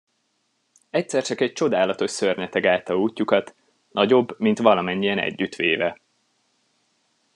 Egyszer csak egy csodálatos szörnyeteg állta útjukat, nagyobb, mint valamennyien együttvéve.